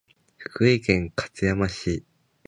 福井県勝山市